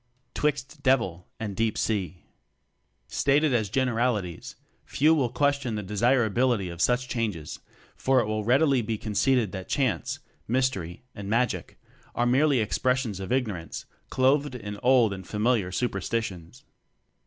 Twixt Devil and Deep Sea. Stated as generalities, few will question the desirability of such changes; for it will readily be con ceded that "chance," "mystery," and "magic" are merely expressions of ignorance clothed in old and familiar superstitions.